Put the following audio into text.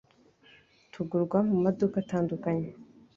tugurwa mu maduka atandukanye ,